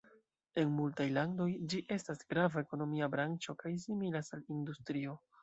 En multaj landoj ĝi estas grava ekonomia branĉo kaj similas al industrio.